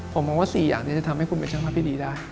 ผมมองว่า๔อย่างนี้จะทำให้คุณเป็นช่างภาพที่ดีได้